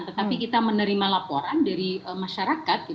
tetapi kita menerima laporan dari masyarakat